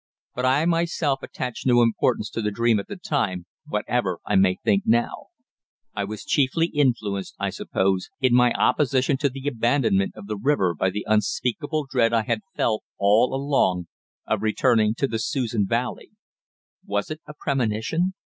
But I myself attached no importance to the dream at the time, whatever I may think now; I was chiefly influenced, I suppose, in my opposition to the abandonment of the river by the unspeakable dread I had felt all along of returning to the Susan Valley was it a premonition?